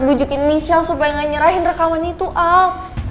bujukin michelle supaya gak nyerahin rekaman itu al